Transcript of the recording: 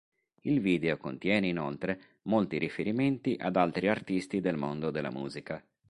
Il video contiene inoltre molti riferimenti ad altri artisti del mondo della musica.